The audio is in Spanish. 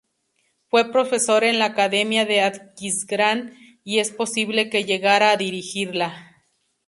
Fue profesor en la academia de Aquisgrán y es posible que llegara a dirigirla.